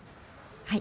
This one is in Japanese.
はい。